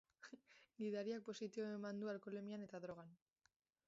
Gidariak positibo eman du alkoholemian eta drogan.